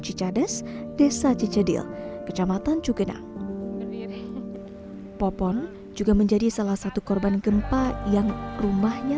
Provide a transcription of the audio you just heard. cicadas desa cicedil kecamatan cukena popon juga menjadi salah satu korban gempa yang rumahnya